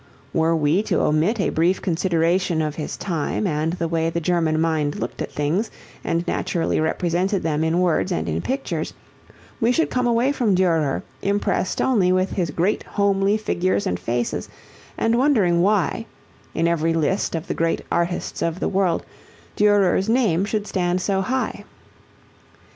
Were we to omit a brief consideration of his time and the way the German mind looked at things and naturally represented them in words and in pictures, we should come away from Durer impressed only with his great homely figures and faces and wondering why, in every list of the great artists of the world, Durer's name should stand so high.